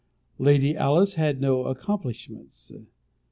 Lady Alice had no accomplishments.